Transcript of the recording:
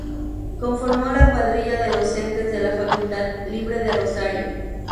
Conformó la cuadrilla de docentes de la Facultad Libre de Rosario.